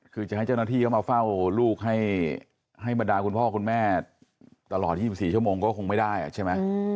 คือจะให้เจ้าหน้าที่เข้ามาเฝ้าลูกให้บรรดาคุณพ่อคุณแม่ตลอด๒๔ชั่วโมงก็คงไม่ได้ใช่ไหม